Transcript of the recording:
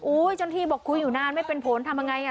อุ้ยจนที่บอกคุยอยู่นานไม่เป็นผลทำไงอ่ะ